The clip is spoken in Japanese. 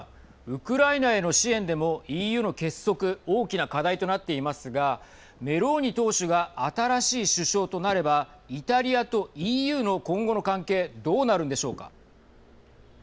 ウクライナへの支援でもＥＵの結束大きな課題となっていますがメローニ党首が新しい首相となればイタリアとＥＵの今後の関係どうなるんでしょうか。